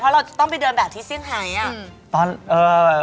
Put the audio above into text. เพราะเราต้องไปเดินแบบที่เซียงไฮ